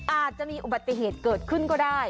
อาจจะมีอุบัติเหตุเกิดขึ้นก็ได้